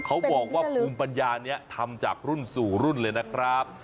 เขาบอกว่าภูมิปัญญานี้ทำจากรุ่นสู่รุ่นเลยนะครับ